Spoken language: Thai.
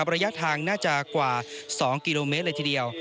ระยะทางน่าจะกว่า๒กิโลเมตรเลยทีเดียว